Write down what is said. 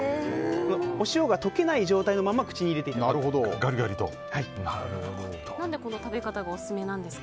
お塩が溶けない状態のまま口に入れていただきたいです。